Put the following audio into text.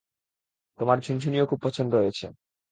তোমার ঝুনঝুনিও খুব পছন্দ হয়েছে।